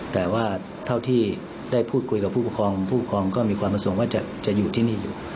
แต่ว่าเท่าที่ได้พูดคุยกับผู้ปกครองผู้ครองก็มีความประสงค์ว่าจะอยู่ที่นี่อยู่